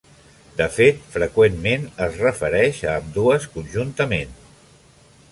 De fet, freqüentment es refereix a ambdues conjuntament: